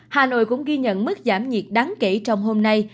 hà nội cũng ghi nhận mức giảm nhiệt đáng kể trong hôm nay